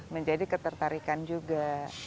menjadi ketertarikan juga